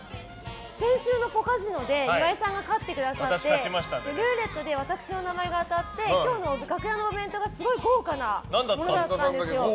先週のポカジノで岩井さんが勝ってくれてルーレットで私の名前が当たって今日の楽屋のお弁当がすごい豪華なものだったんですよ。